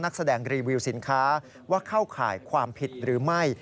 นักแสดงรีวิวสินค้าว่าเข้าข่ายความผิดหรือไม่